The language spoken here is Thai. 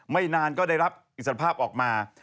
ไม่นานก็ได้รับอิสรภาพออกมา